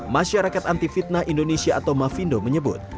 masyarakat anti fitnah indonesia atau mafindo menyebut